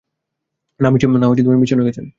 না, মিশনে গেছেন।